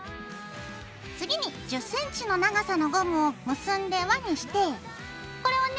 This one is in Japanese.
次に１０ｃｍの長さのゴムを結んで輪にしてこれをね